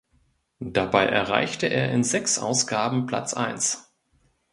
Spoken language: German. Dabei erreichte er in sechs Ausgaben Platz eins.